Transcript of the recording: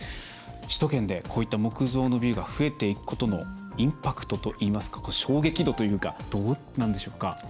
首都圏で、こういった木造のビルが増えていくことのインパクトといいますか衝撃度というかどうなんでしょうか？